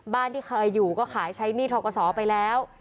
ที่เคยอยู่ก็ขายใช้หนี้ทกศไปแล้ว